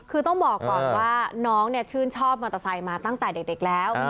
คือต้องบอกก่อนว่าน้องชื่นชอบมอเตอร์ไซค์มาตั้งแต่เด็กแล้ว